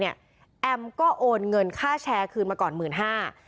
แอมก็โอนเงินค่าแชร์คืนมาก่อน๑๕๐๐๐บาท